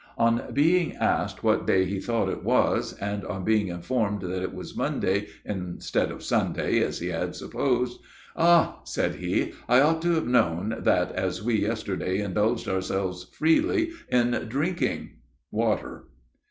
On being asked what day he thought it was, and on being informed that it was Monday, instead of Sunday, as he had supposed, "Ah!" said he, "I ought to have known that, as we yesterday indulged ourselves freely in drinking water."